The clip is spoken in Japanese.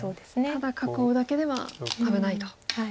ただ囲うだけでは危ないと。